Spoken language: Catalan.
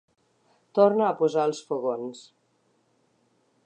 Torna a posar als fogons.